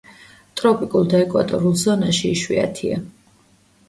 ტროპიკულ და ეკვატორულ ზონაში იშვიათია.